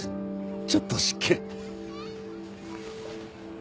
ちょっと失敬。